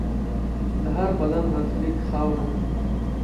د هر بدن برخلیک خاوره ده.